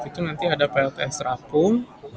itu nanti ada plts terapung